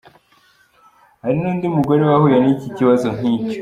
Hari n’undi mugore wahuye n’ikibazo nk’icyo .